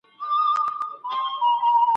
پاچا د خپلو مخکنیو شتمني په اوبو لاهو کوي.